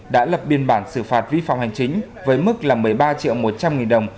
đã lập biên bản xử phạt vi phạm hành chính với mức là một mươi ba triệu một trăm linh nghìn đồng